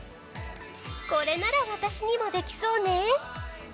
これなら私にもできそうね。